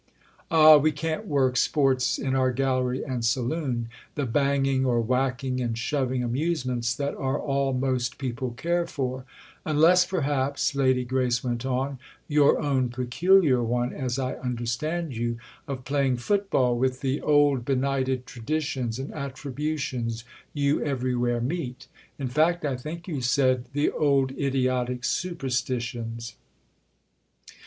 "Ah, we can't work sports in our gallery and saloon—the banging or whacking and shoving amusements that are all most people care for; unless, perhaps," Lady Grace went on, "your own peculiar one, as I understand you, of playing football with the old benighted traditions and attributions you everywhere meet: in fact I think you said the old idiotic superstitions."